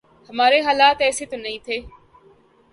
ہمارے حالات ایسے تو نہیں رہے۔